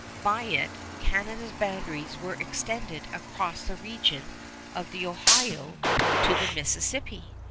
By it Canada's boundaries were extended across the region of the Ohio to the Mississippi.